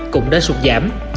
cũng đã sụt giảm